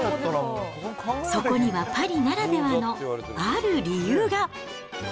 そこにはパリならではのある理由が。